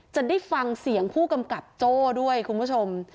จะได้ฟังเสียงผู้กำกับโจ้ด้วยคุณผู้ชม